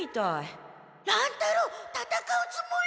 乱太郎たたかうつもり！？